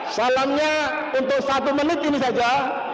salamnya untuk satu menit ini saja